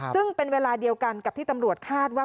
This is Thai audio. ซึ่งเป็นเวลาเดียวกันกับที่ตำรวจคาดว่า